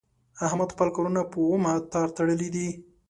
احمد خپل کارونه په اومه تار تړلي دي.